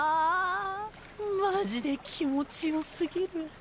マジで気持ちよすぎる。